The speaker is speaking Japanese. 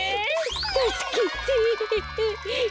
たすけて。